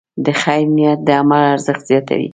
د خیر نیت د عمل ارزښت زیاتوي.